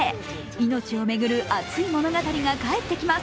命を巡る熱い物語が帰ってきます。